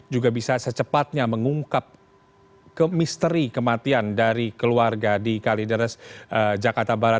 juga bisa secepatnya mengungkap misteri kematian dari keluarga di kalideres jakarta barat